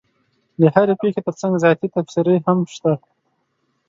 د هرې پېښې ترڅنګ ذاتي تبصرې هم شته.